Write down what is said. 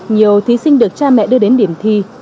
nhiều thí sinh được cha mẹ đưa đến điểm thi